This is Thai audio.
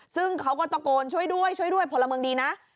ซึ่งเขาก็ตะโกนช่วยด้วยช่วยด้วยพลเมืองดีนะ